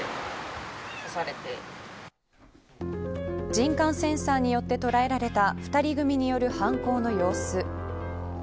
人感センサーによって捉えられた二人組による犯行の様子。